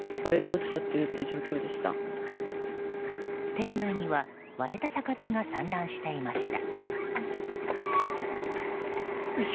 店内には割れた酒瓶が散乱していました。